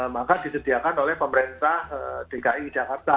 maka disediakan oleh pemerintah dki jakarta